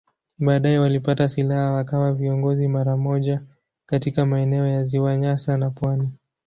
Baadaye walipata silaha wakawa viongozi mara moja katika maeneo ya Ziwa Nyasa na pwani.